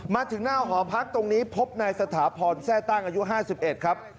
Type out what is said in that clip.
มาถึงหน้าหอพักตรงนี้พบนายสถาพรแทร่ตั้งอายุ๕๑ครับ